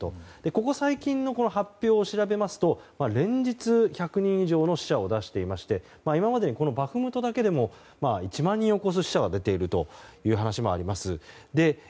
ここ最近の発表を調べますと連日、１００人以上の死者を出していまして今までにバフムトだけでも１万人を超す死者が出ているという話もあります。